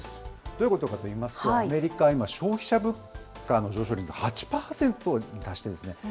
どういうことかといいますと、アメリカは今、消費者物価の上昇率が８％に達しているんですね。